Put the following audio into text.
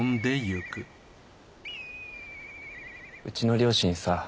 うちの両親さ。